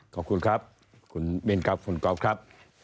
ขอบคุณครับคุณมินครับคุณก๊อฟครับ